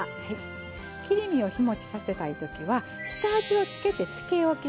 切り身を日もちさせたい時は下味を付けて漬けおきします。